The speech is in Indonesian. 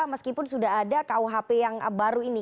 meskipun sudah ada kuhp yang baru ini